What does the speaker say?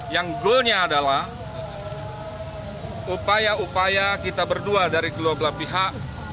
yang goalnya adalah upaya upaya kita berdua dari kedua belah pihak bisa menemukan satu solusi